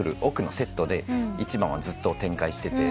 奥のセットで１番はずっと展開してて。